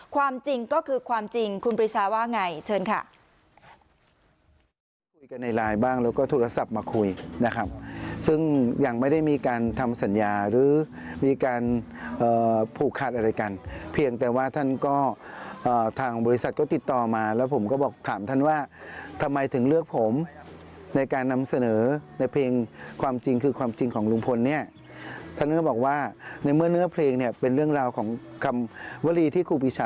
ความจริงก็คือความจริงคุณปริชาว่าไงเชิญค่ะ